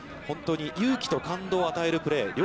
本当に勇気と感動を与えるプレー。